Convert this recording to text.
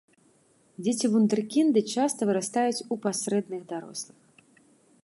Дзеці-вундэркінды часта вырастаюць у пасрэдных дарослых.